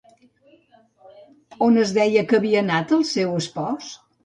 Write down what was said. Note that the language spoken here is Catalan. On es deia que havia anat el seu espòs?